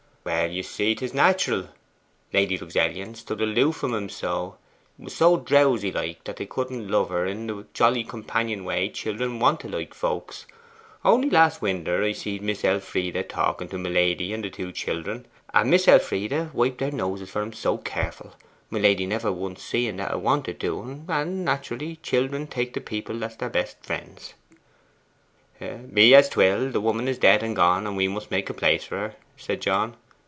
'Well, you see, 'tis natural. Lady Luxellian stood aloof from 'em so was so drowsy like, that they couldn't love her in the jolly companion way children want to like folks. Only last winter I seed Miss Elfride talking to my lady and the two children, and Miss Elfride wiped their noses for em' SO careful my lady never once seeing that it wanted doing; and, naturally, children take to people that's their best friend.' 'Be as 'twill, the woman is dead and gone, and we must make a place for her,' said John.